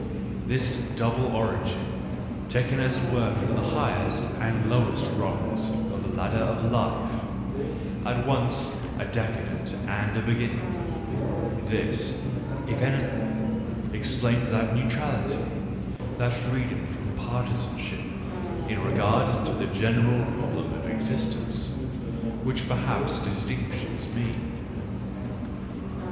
This double origin, taken as it were from the highest and lowest rungs of the ladder of life, at once a decadent and a beginning, this, if anything, ex plains that neutrality, that freedom from partisan ship in regard to the general problem of existence, which perhaps distinguishes me.